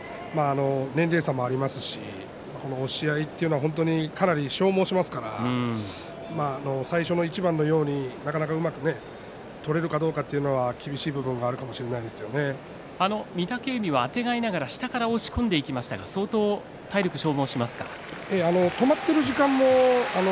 年齢差もありますしこの押し合いというのはかなり消耗しますから最初の一番のようになかなかうまく取れるかどうかは厳しい部分があるかもしれない御嶽海はあてがいながら下から押し込んでいきましたが相当、体力消耗しますか。